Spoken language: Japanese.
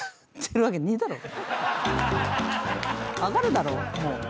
分かるだろもう。